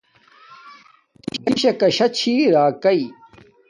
ریشاکا شا چھی راکݵ